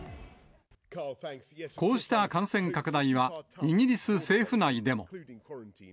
こうした感染拡大は、イギリス政府内でも。